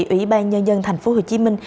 ủy ban nhà dân thành phố hồ chí minh